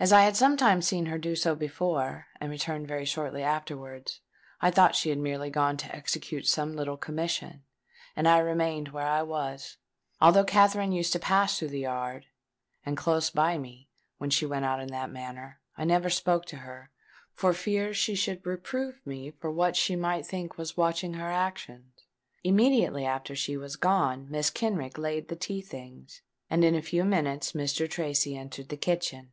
As I had sometimes seen her do so before, and return very shortly afterwards, I thought she had merely gone to execute some little commission; and I remained where I was. Although Katherine used to pass through the yard, and close by me, when she went out in that manner, I never spoke to her, for fear she should reprove me for what she might think was watching her actions. Immediately after she was gone, Mrs. Kenrick laid the tea things; and in a few minutes Mr. Tracy entered the kitchen.